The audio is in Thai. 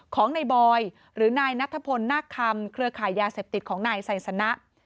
ของนายบอยหรือนายนัทพลนาคคำเครือขายยาเสพติดของนายไซสนะ